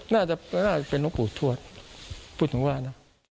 น่าจะเป็นนกปูชทวดปูชนิวาดน่ะ